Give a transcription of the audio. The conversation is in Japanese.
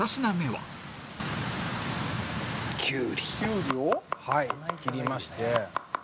「はい切りまして」